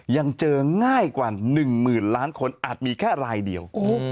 ยังเจอง่ายกว่า๑หมื่นล้านคนอาจมีแค่รายเดียว